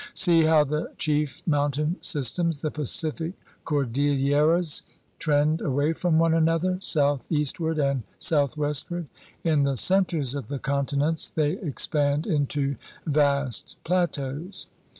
See how the chief mountain systems, the Pacific " Cordilleras," trend away from one another, southeastward and southwestward. In the centers of the continents they expand into vast plateaus.